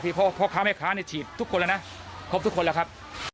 พ่อค้าแม่ค้าฉีดทุกคนแล้วนะครบทุกคนแล้วครับ